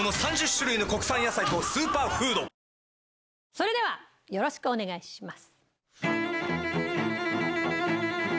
それではよろしくお願いします。